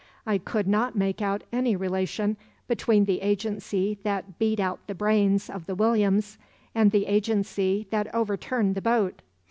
I could not make out any relation between the agency that beat out the brains of the Williams's and the agency that overturned the boat.